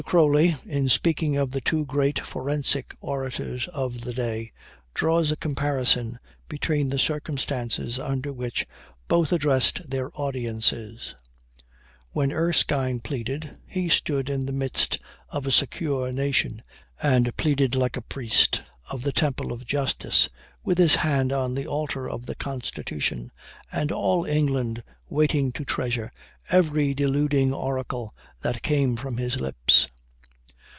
Crolly, in speaking of the two great forensic orators of the day, draws a comparison between the circumstances under which both addressed their audiences: "When Erskine pleaded, he stood in the midst of a secure nation, and pleaded like a priest of the temple of justice, with his hand on the altar of the constitution, and all England waiting to treasure every deluding oracle that came from his lips.